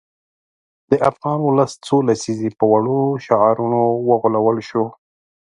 د افغان ولس څو لسیزې په وړو شعارونو وغولول شو.